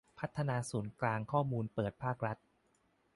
พัฒนาศูนย์กลางข้อมูลเปิดภาครัฐ